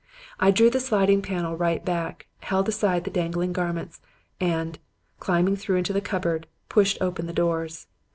"I drew the sliding panel right back, held aside the dangling garments, and, climbing through into the cupboard, pushed open the doors.